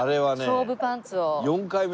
勝負パンツを。